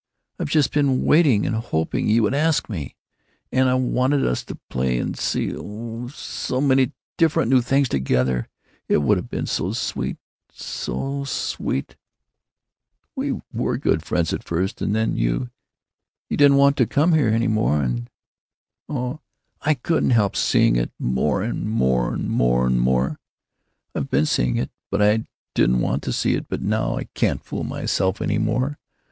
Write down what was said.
I've just been waiting and hoping you would ask me, and I wanted us to play and see—oh! so many different new things together—it would have been so sweet, so sweet——We were good friends at first, and then you—you didn't want to come here any more and——Oh, I couldn't help seeing it; more and more and more and more I've been seeing it; but I didn't want to see it; but now I can't fool myself any more.